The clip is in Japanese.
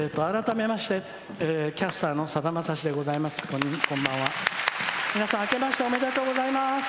改めまして、キャスターのさだまさしでございます。